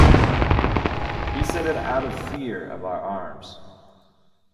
He said it out of fear of our arms.